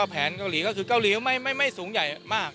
แผนเกาหลีก็คือเกาหลีไม่สูงใหญ่มาก